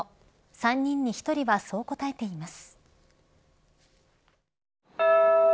３人に１人はそう答えています。